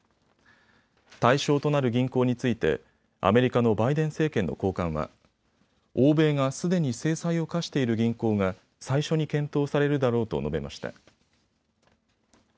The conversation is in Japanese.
対象となる銀行についてアメリカのバイデン政権の高官は欧米がすでに制裁を科している銀行が最初に検討されるだろうと述べました。